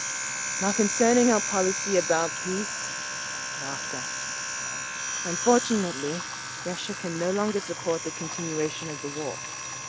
"Now concerning our policy about peace." "Unfortunately Russia can no longer support the continuation of the war.